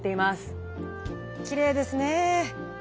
きれいですね。